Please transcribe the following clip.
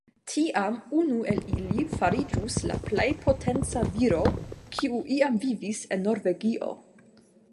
Tiam unu el ili fariĝus la plej potenca viro, kiu iam vivis en Norvegio.